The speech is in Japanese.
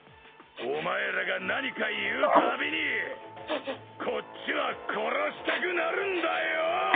お前らが何か言うたびにこっちは殺したくなるんだよ！